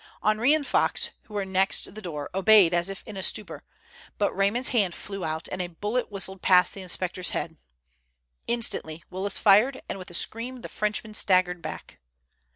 Henri and Fox, who were next the door, obeyed as if in a stupor, but Raymond's hand flew out, and a bullet whistled past the inspector's head. Instantly Willis fired, and with a scream the Frenchman staggered back.